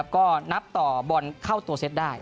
ก็นับต่อบอลเข้าตัวเซตได้